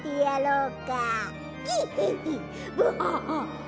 うん。